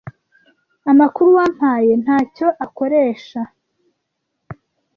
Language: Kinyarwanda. Amakuru wampaye ntacyo akoresha.